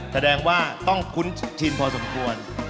แสดงว่าต้องคุ้นชินพอสมควร